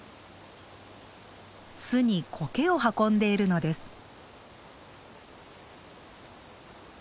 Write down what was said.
巣にコケを運んでいるのです。